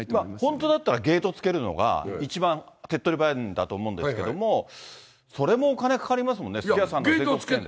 本当だったらゲートつけるのが一番手っ取り早いんだと思うんですけど、それもお金かかりますもんね、すき家さんも全国チェーンで。